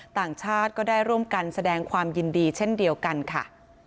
ต่างชาติก็ได้ร่วมกันแสดงความยินดีเช่นเดียวกันค่ะ